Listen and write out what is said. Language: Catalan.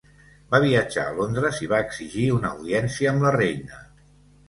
Va viatjar a Londres, i va exigir una audiència amb la reina.